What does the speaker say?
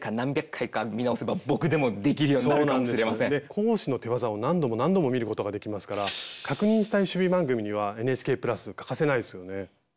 講師の手わざを何度も何度も見ることができますから確認したい趣味番組にはＮＨＫ＋欠かせないですよね。